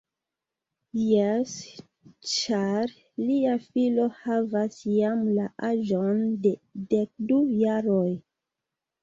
Jes, ĉar lia filo havas jam la aĝon de dekdu jaroj.